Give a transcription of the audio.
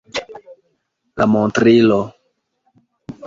La montrilo.